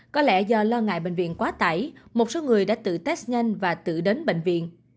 có lẽ do lo ngại bệnh viện quá tải một số người đã tự test nhanh và tự đến bệnh viện